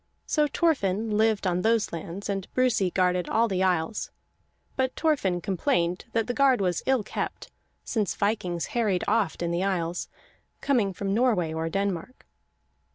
So Thorfinn lived on those lands, and Brusi guarded all the isles; but Thorfinn complained that the guard was ill kept, since vikings harried oft in the isles, coming from Norway or Denmark.